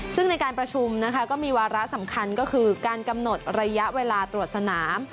ซึ่งในการประชุมนะคะก็มีวาระสำคัญก็คือการกำหนดระยะเวลาตรวจสนาม